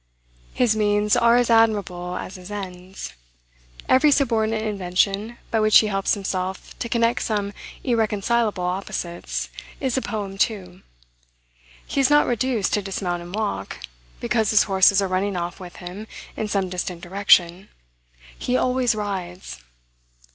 His means are as admirable as his ends; every subordinate invention, by which he helps himself to connect some irreconcilable opposites, is a poem too. He is not reduced to dismount and walk, because his horses are running off with him in some distant direction: he always rides.